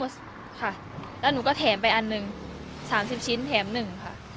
ค่ะแล้วหนูก็แถมไปอันหนึ่ง๓๐ชิ้นแถม๑ค่ะ